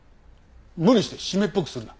無理して湿っぽくするな。